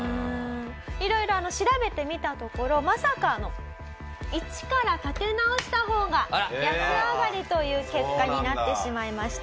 色々調べてみたところまさかの一から立て直した方が安上がりという結果になってしまいました。